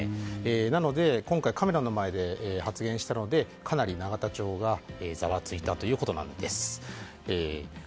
なので、今回カメラの前で発言したので、かなり永田町がざわついたということです。